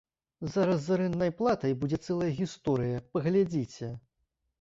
Зараз з арэнднай платай будзе цэлая гісторыя, паглядзіце!